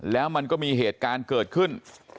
แล้วมันก็มีเหตุการณ์เกิดขึ้น